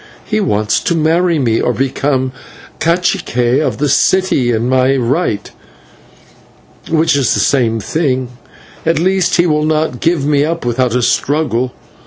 "He wants to marry me, or to become /cacique/ of the city in my right, which is the same thing; at least he will not give me up without a struggle.